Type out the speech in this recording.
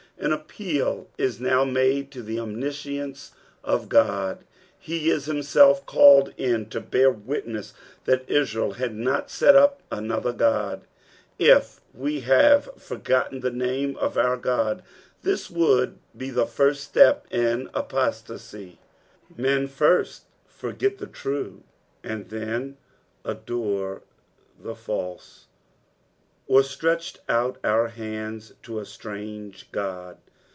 An appeal is now made tu the omniscience of God ; he is himself called in ti) bear witness that Israel had not set up another Ood. '■'If ve hafe for gotten the namt of our Ood.'''' This would be the first atep in apustncy ; men first forget the true, and then adorn the false. "Or alrttcied out ovr haiidt to a ttrango god."